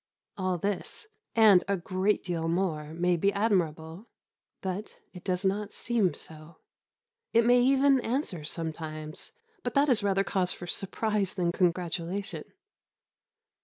All this, and a great deal more, may be admirable; but it does not seem so. It may even answer sometimes; but that is rather cause for surprise than congratulation.